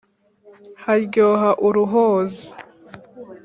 haryoha uruhoze”